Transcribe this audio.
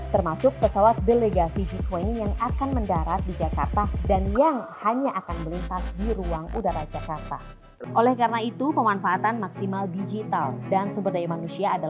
termasuk pesawat delegasi g dua puluh yang akan mendarat di jakarta dan yang hanya akan melintas